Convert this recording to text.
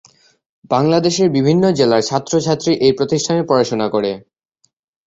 বাংলাদেশের বিভিন্ন জেলার ছাত্রছাত্রী এই প্রতিষ্ঠানে পড়াশোনা করে।